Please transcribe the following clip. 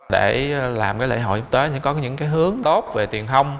để làm lễ hội tiếp tới thì có những hướng tốt về tiền không